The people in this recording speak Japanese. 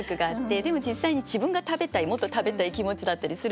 でも実際に自分が食べたいもっと食べたい気持ちだったりするんですけど。